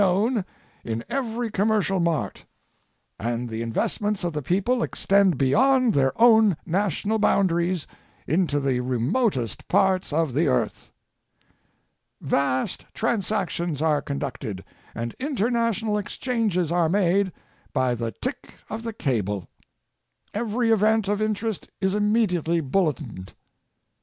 known in every commercial mart, and the investments of the people extend beyond their own national bound aries into the remotest parts of the earth. Vast trans actions are conducted and international exchanges are made by the tick of the cable. Every event of interest is immediately bulletined.